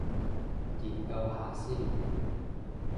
研究下先